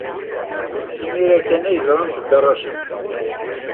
Imir-a kan ay ẓrant Dda Racid.